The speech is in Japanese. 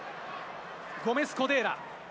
ゴメス・コデーラ。